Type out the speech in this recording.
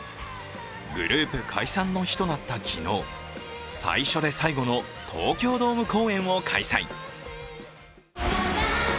グループ解散の日となった昨日最初で最後の東京ドーム公演を開催。